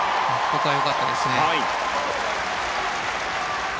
ここはよかったですね。